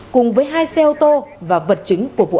cùng với hai xe ô tô và vật chứng của vụ